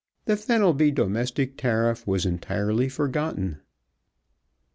The Fenelby Domestic Tariff was entirely forgotten.